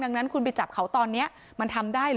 ดังนั้นคุณไปจับเขาตอนนี้มันทำได้เหรอ